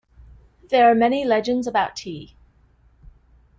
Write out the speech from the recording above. There are many legends about tea.